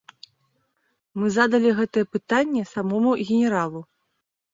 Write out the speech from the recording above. Мы задалі гэтае пытанне самому генералу.